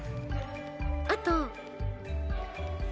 あと。